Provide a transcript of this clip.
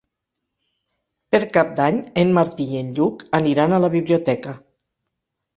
Per Cap d'Any en Martí i en Lluc aniran a la biblioteca.